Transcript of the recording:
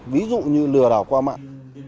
ví dụ như lừa đảo qua mạng